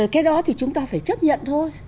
cái đó thì chúng ta phải chấp nhận thôi